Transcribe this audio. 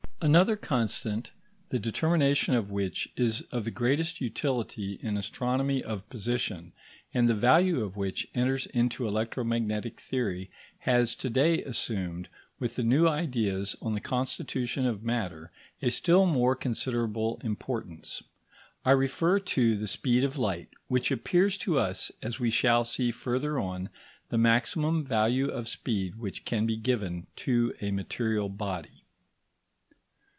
Another constant, the determination of which is of the greatest utility in astronomy of position, and the value of which enters into electromagnetic theory, has to day assumed, with the new ideas on the constitution of matter, a still more considerable importance. I refer to the speed of light, which appears to us, as we shall see further on, the maximum value of speed which can be given to a material body.